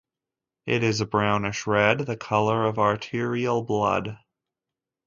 It is a brownish red, the colour of arterial blood.